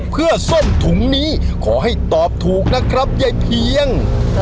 เพื่อส้นถุงนี้ขอให้ตอบถูกนะครับยายเพียง